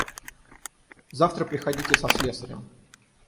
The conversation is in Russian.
Завтра приходите со слесарем.